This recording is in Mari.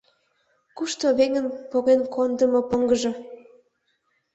— Кушто веҥын поген кондымо поҥгыжо?